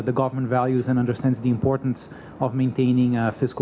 bagaimana perintah pemerintah mengerti dan memahami pentingnya